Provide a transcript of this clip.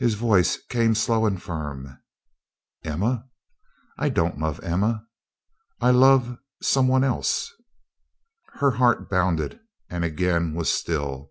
His voice came slow and firm: "Emma? But I don't love Emma. I love some one else." Her heart bounded and again was still.